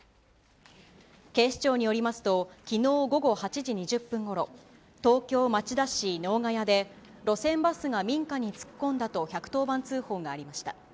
警視庁によりますと、きのう午後８時２０分ごろ、東京・町田市能ヶ谷で、路線バスが民家に突っ込んだと１１０番通報がありました。